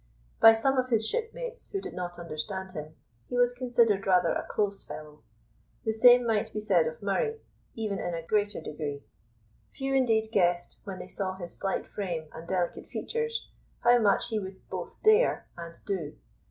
By some of his shipmates, who did not understand him, he was considered rather a close fellow. The same might be said of Murray, even in a greater degree. Few indeed guessed, when they saw his slight frame and delicate features, how much he would both dare and do.